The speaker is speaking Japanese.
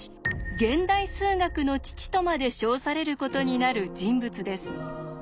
現代数学の父とまで称されることになる人物です。